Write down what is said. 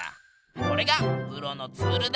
これがプロのツールだ！